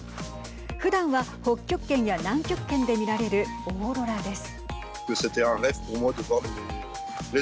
ふだんは北極圏や南極圏で見られるオーロラです。